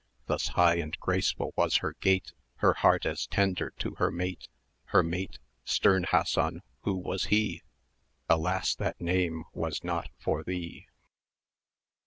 Thus high and graceful was her gait; Her heart as tender to her mate; Her mate stern Hassan, who was he? Alas! that name was not for thee!